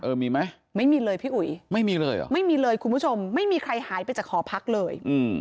มีไหมไม่มีเลยพี่อุ๋ยไม่มีเลยเหรอไม่มีเลยคุณผู้ชมไม่มีใครหายไปจากหอพักเลย